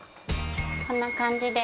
こんな感じで。